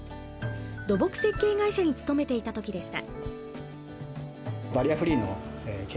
土木設計会社に勤めていた時でした。